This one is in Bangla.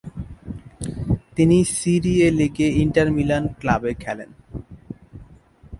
তিনি সিরি এ লীগে ইন্টার মিলান ক্লাবে খেলেন।